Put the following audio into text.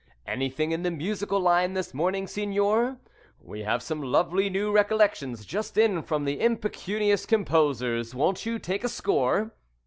Anything in the musical line this morning, signor? We have some lovely new recollections just in from impecunious composers. Won't you take a score?